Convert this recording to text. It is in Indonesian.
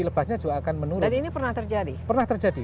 lebahnya juga akan menurun jadi ini pernah terjadi